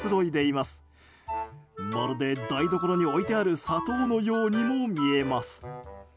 まるで、台所に置いてある砂糖のようにも見えます。